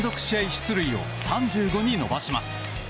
出塁を３５に伸ばします。